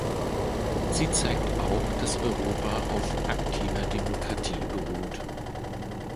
Sie zeigt auch, dass Europa auf aktiver Demokratie beruht.